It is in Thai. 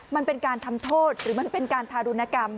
มันเป็นการทำโทษหรือมันเป็นการทารุณกรรม